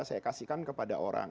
saya kasihkan kepada orang